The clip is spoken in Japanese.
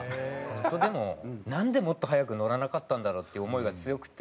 でもなんでもっと早く乗らなかったんだろうっていう思いが強くて。